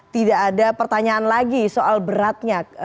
tidak ada pertanyaan lagi soal beratnya